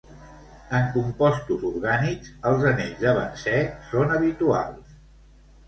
En compostos orgànics els anells de benzè són habituals.